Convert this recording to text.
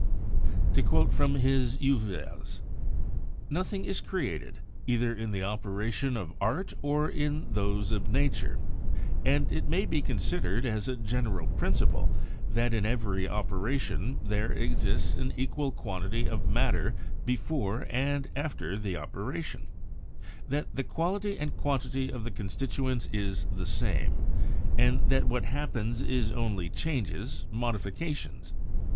To quote from his "CEuvres": "Nothing is created, either in the operations of art or in those of nature, and it may be considered as a general principle that in every operation there exists an equal quantity of matter before and after the operation; that the quality and the quantity of the constituents is the same, and that what happens is only changes, modifications.